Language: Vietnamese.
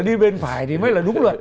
đi bên phải thì mới là đúng luật